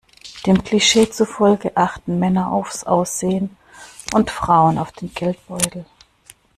Dem Klischee zufolge achten Männer aufs Aussehen und Frauen auf den Geldbeutel.